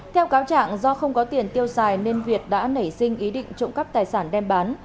theo cáo trạng do không có tiền tiêu xài nên việt đã nảy sinh ý định trộm cắp tài sản đem bán